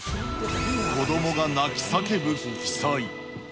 子どもが泣き叫ぶ奇祭。